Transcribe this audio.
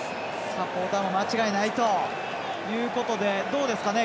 サポーターも間違いない！ということでどうですかね